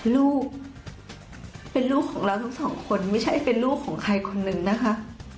ลูกเป็นลูกของเราทั้งสองคนไม่ใช่เป็นลูกของใครคนนึงนะคะ